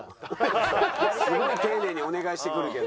すごい丁寧にお願いしてくるけど。